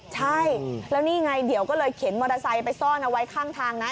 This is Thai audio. ใช่แล้วนี่ไงเดี๋ยวก็เลยเข็นมอเตอร์ไซค์ไปซ่อนเอาไว้ข้างทางนะ